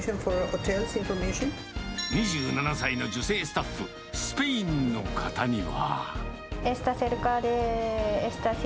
２７歳の女性スタッフ、スペインの方には。